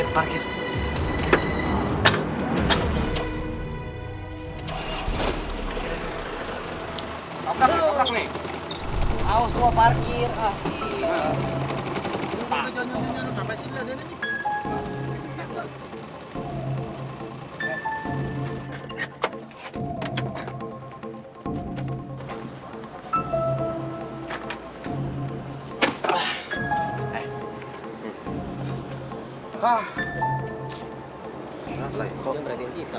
nah parkir parkir